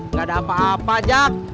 nggak ada apa apa jak